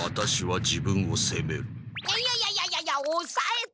いやいやいやいやいやいやおさえて！